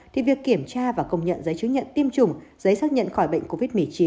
thì việc kiểm tra và công nhận giấy chứng nhận tiêm chủng giấy xác nhận khỏi bệnh covid một mươi chín